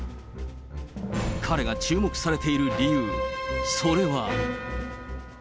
彼が注目されている理由、それは。